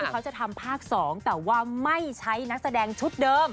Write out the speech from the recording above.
เขาจะทำภาค๒แต่ว่าไม่ใช้นักแสดงชุดเดิม